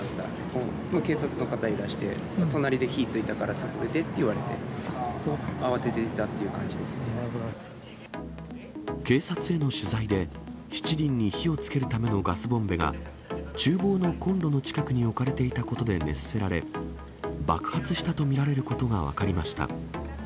もう警察の方いらして、隣で火ついたから、外出てって言われて、慌てて出たっていう感じ警察への取材で、しちりんに火をつけるためのガスボンベが、ちゅう房のコンロの近くに置かれていたことで熱せられ、爆発したと見られることが分かりました。